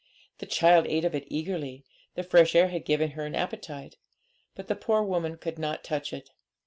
The child ate of it eagerly the fresh air had given her an appetite but the poor woman could not touch it.